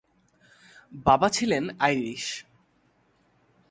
বাবা ছিলেন আইরিশ।